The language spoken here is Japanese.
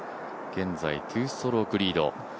現在、２ストロークリード。